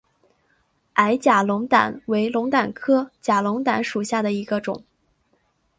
矮假龙胆为龙胆科假龙胆属下的一个种。